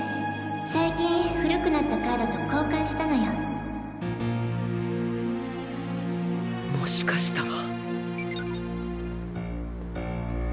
最近古くなったカードと交換しもしかしたら